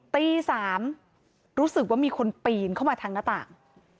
ตี๓รู้สึกว่ามีคนปีนเข้ามาทางหน้าต่าง